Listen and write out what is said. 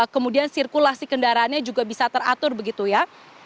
kemudian sirkulasi kendaraannya juga bisa teratur begitu ya